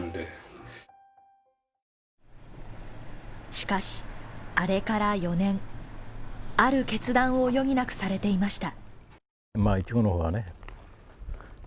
しかし、あれから４年、ある決断を余儀なくされていました。